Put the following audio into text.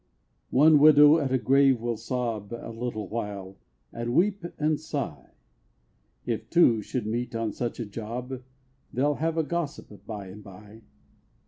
One widow at a grave will sob A little while, and weep, and sigh! If two should meet on such a job, They'll have a gossip by and by.